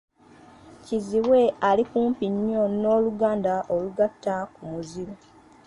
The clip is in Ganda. Kizibwe ali kumpi nnyo n'oluganda olugatta ku muziro.